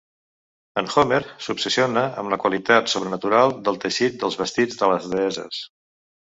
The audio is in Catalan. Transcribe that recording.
En Homer s'obsessiona amb la qualitat sobrenatural del teixit dels vestits de les deesses.